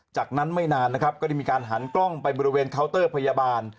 จากนั้นไม่นานนะครับก็ได้มีการหันกล้องไปบริเวณเคาน์เตอร์พยาบาล